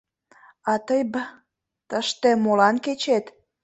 — А тый, б...ь, тыште молан кечет?!